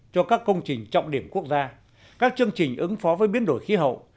cho các công trình trọng điểm quốc gia các chương trình ứng phó với biến đổi khí hậu